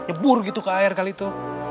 nyebur gitu ke air kali itu